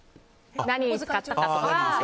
何に使ったかとか。